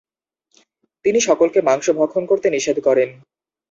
তিনি সকলকে মাংস ভক্ষণ করতে নিষেধ করেন।